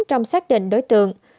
trong xác định đối tượng